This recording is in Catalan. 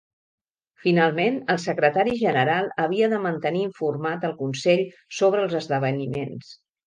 Finalment, el secretari general havia de mantenir informat el Consell sobre els esdeveniments.